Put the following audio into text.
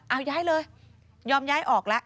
เอาย้ายเลยยอมย้ายออกแล้ว